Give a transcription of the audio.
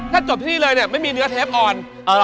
ถ้าจบที่นี่เลยเนี่ยไม่มีเนื้อเทปอ่อน